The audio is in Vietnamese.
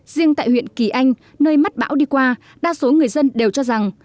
riêng tại huyện kỳ anh nơi mắt bão đi qua đa số người dân đều cho rằng